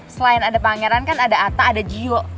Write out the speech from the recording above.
selain ada pangeran kan ada ata ada jiho